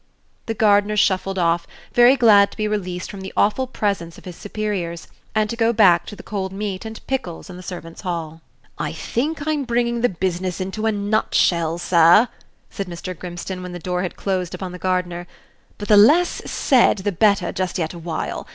The gardener shuffled off, very glad to be released from the awful presence of his superiors, and to go back to the cold meat and pickles in the servants' hall. "I think I'm bringing the business into a nutshell, sir," said Mr. Grimstone, when the door had closed upon the gardener. "But the less said the better just yet a while.